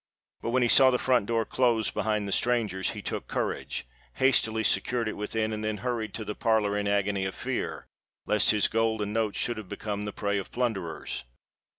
But when he saw the front door close behind the strangers, he took courage—hastily secured it within—and then hurried to the parlour, in agony of fear lest his gold and notes should have become the prey of plunderers!